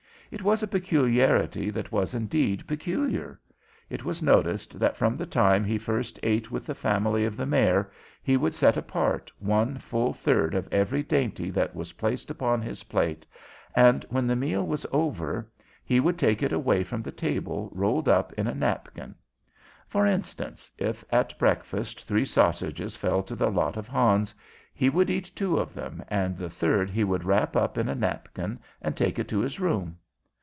It was a peculiarity that was indeed peculiar. It was noticed that from the time he first ate with the family of the Mayor he would set apart one full third of every dainty that was placed upon his plate, and when the meal was over he would take it away from the table rolled up in a napkin. For instance, if at breakfast three sausages fell to the lot of Hans, he would eat two of them, and the third he would wrap up in a napkin, and take it to his room.